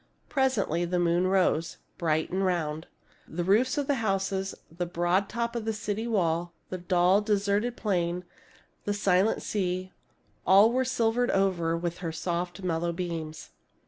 Presently the moon rose, bright and round. The roofs of the houses, the broad top of the city wall, the dull, deserted plain, the silent sea — all were silvered over with her soft, mellow beams.